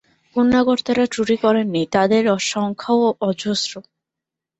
কন্যাকর্তারা ত্রুটি করেন নি, তাঁদের সংখ্যাও অজস্র।